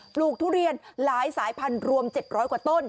ลูกทุเรียนหลายสายพันธุ์รวม๗๐๐กว่าต้น